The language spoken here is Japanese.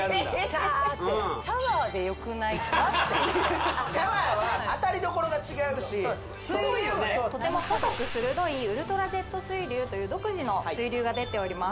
シャーッてシャワーでよくないかっていうシャワーは当たりどころが違うし水流がねとても細く鋭いウルトラジェット水流という独自の水流が出ております